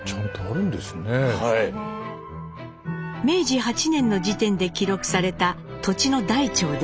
明治８年の時点で記録された土地の台帳です。